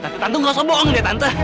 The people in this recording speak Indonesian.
ini tante akan balikin kamu